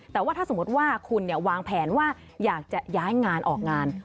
แต่ว่าถ้าสมมติว่าคุณวางแผนว่าอยากจะย้ายงานออกงาน